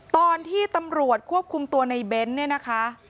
ตอนที่ตำรวจควบคุมตัวในเบ้นเนี่ยนะคะ